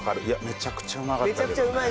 めちゃくちゃうまかったけどね。